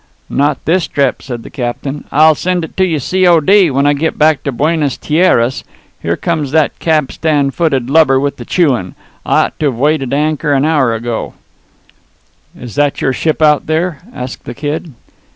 "Not this trip," said the captain. "I'll send it to you C.O.D. when I get back to Buenas Tierras. Here comes that capstanfooted lubber with the chewin'. I ought to've weighed anchor an hour ago." "Is that your ship out there?" asked the Kid.